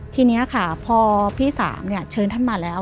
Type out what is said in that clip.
ทีนี้ค่ะพอพี่สามเชิญท่านมาแล้ว